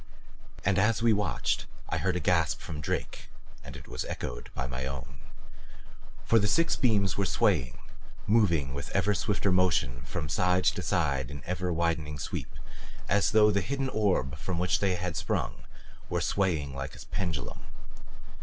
And as we watched I heard a gasp from Drake. And it was echoed by my own. For the six beams were swaying, moving with ever swifter motion from side to side in ever widening sweep, as though the hidden orb from which they sprang were swaying like a pendulum.